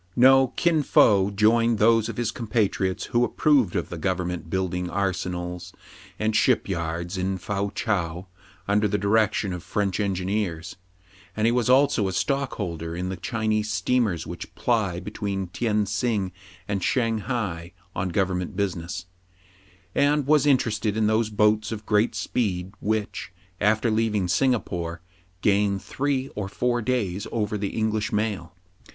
No : Kin Fo joined those of his compatriots who approved of the government building arsenals and ship yards in Fou Chao under the direction of French engineers ; and he was also a stockholder in the Chinese steamers which ply between Tien sing and Shang hai on government business, and was interested in those boats of great speed, which, after leaving Singapore, gain three or four days over the English mail.